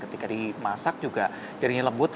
ketika dimasak juga jadinya lembut